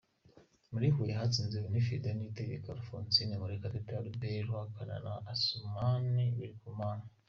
Muri Huye hatsinze Winifrida Niyitegeka, Alphonsine Murekatete, Albert Ruhakana na Assumani Birikumana.